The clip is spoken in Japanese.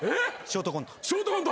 ショートコント。